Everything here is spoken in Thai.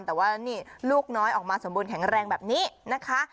แต่ว่านี่ลูกน้อยออกมาสมบูรณแข็งแรงแบบนี้นะคะ